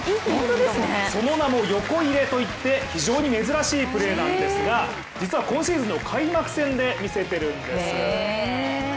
その名も横入れといって非常に珍しいプレーなんですが実は今シーズンの開幕戦で見せているんです。